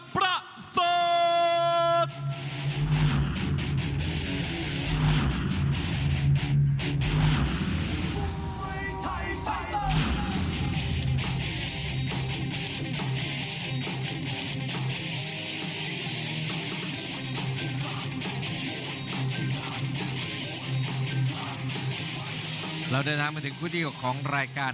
เป็นดันทุซิชา